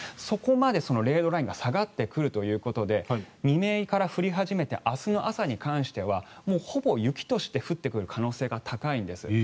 そこまで０度ラインが下がってくるということで未明から降り始めて明日の朝に関してはもうほぼ雪として降ってくる可能性が高いんです。